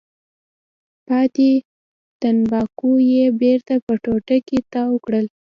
پاتې تنباکو یې بېرته په ټوټه کې تاو کړل.